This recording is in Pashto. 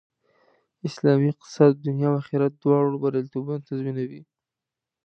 اسلامي اقتصاد د دنیا او آخرت دواړو بریالیتوب تضمینوي